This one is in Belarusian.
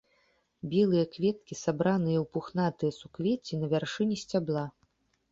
Белыя кветкі сабраныя ў пухнатыя суквецці на вяршыні сцябла.